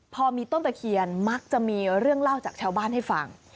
พอมีต้นตะเคียนมักจะมีเรื่องเล่าจากชาวบ้านให้ฟัง